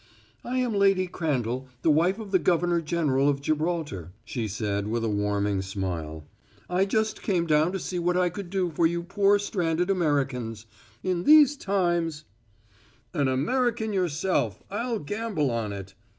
"I am Lady Crandall, the wife of the governor general of Gibraltar," she said, with a warming smile. "I just came down to see what I could do for you poor stranded Americans. In these times " "An American yourself, I'll gamble on it!"